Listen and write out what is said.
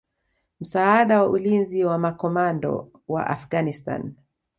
msaada wa ulinzi wa makomando wa Afghanistan